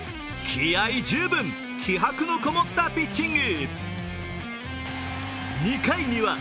気合い十分、気迫のこもったピッチング。